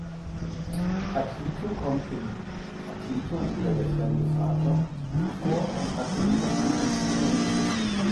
Paquito kommt in "Paquito oder Der fremde Vater" vor und hatte unterschiedlichste Berufe.